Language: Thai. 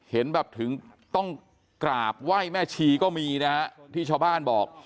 เห็นแบบถึงต้องกราบไหว้แม่ชีก็มีนะฮะที่ชาวบ้านบอก